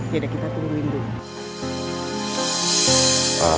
yaudah kita tungguin dulu